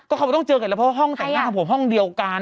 เขาไม่ต้องเจอกันแล้วเพราะว่าห้องแต่งหน้าของผมห้องเดียวกัน